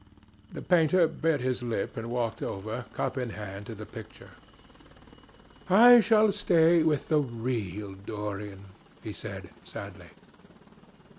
The painter bit his lip and walked over, cup in hand, to the picture. "I shall stay with the real Dorian," he said, sadly.